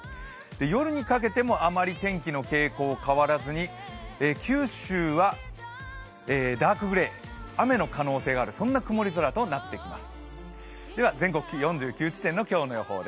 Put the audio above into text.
夜にかけてもあんまり天気の傾向変わらずに九州はダークグレー、雨の可能性がある、そんな曇り空となってきます。